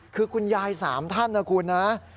คือคุณยายสามท่านนะคุณ